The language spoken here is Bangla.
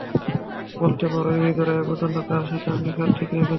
বলতে পার, ইহুদীরা এ পর্যন্ত কার সাথে অঙ্গীকার ঠিক রেখেছে?